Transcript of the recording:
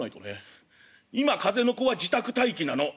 「今風の子は自宅待機なの。